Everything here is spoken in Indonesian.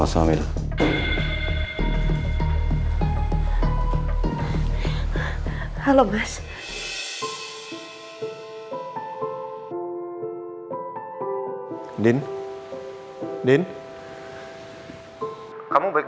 ya putih banget bahwa kamu selalu sebagai group chicos beim andare na toh luar hé sucked on the school ultimately